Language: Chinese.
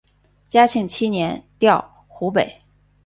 嘉庆七年调湖北。